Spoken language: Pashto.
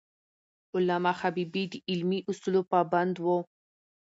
علامه حبیبي د علمي اصولو پابند و.